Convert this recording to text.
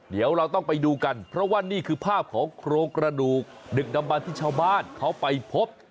เดี๋ยวเราต้องไปดูกันเพราะว่านี่คือภาพของโครงกระดูกดึกดำบันที่ชาวบ้านเขาไปพบ